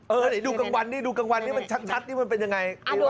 เออเดี๋ยวดูกลางวันนี้ดูกลางวันนี้มันชัดมันเป็นยังไง